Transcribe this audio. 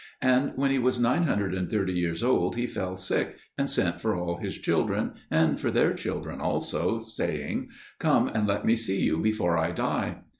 And when he was 930 years old he fell sick, and sent for all his children, and for their children also, saying, "Come and let me see you before I die."